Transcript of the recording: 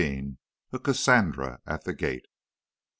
A CASSANDRA AT THE GATE.